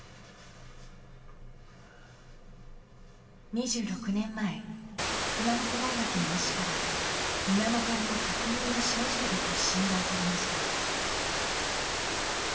２６年前熊本大学の医師から水俣病特有の症状だと診断されました。